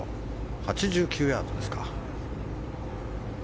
８９ヤードですか。